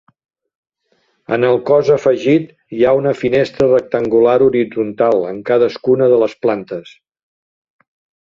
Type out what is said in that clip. En el cos afegit hi ha una finestra rectangular horitzontal en cadascuna de les plantes.